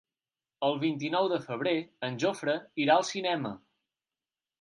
El vint-i-nou de febrer en Jofre irà al cinema.